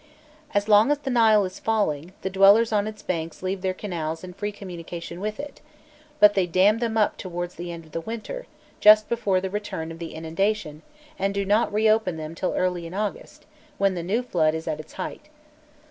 As long as the Nile is falling, the dwellers on its banks leave their canals in free communication with it; but they dam them up towards the end of the winter, just before the return of the inundation, and do not reopen them till early in August, when the new flood is at its height.